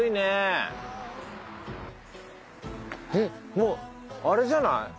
えっもうあれじゃない？